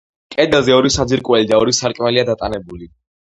კედელზე ორი საძირკველი და ორი სარკმელია დატანებული.